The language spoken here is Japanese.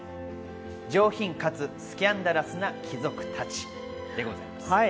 上品かつスキャンダラスな貴族たちです。